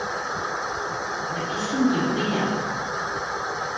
La piscine de Briare.